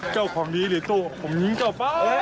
เจ้าความดีเหรอตู้ผมหยิงเจ้าครับ